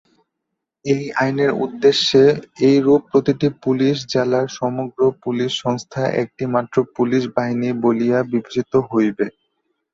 এই আইনের উদ্দেশ্যে এইরূপ প্রতিটি ‘পুলিশ জেলার’ সমগ্র পুলিশ সংস্থা একটি মাত্র পুলিশ বাহিনী বলিয়া বিবেচিত হইবে।